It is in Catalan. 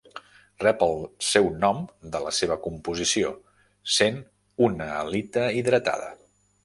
Rep el seu nom de la seva composició, sent una halita hidratada.